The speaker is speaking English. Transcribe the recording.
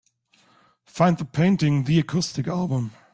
Find the painting The Acoustic Album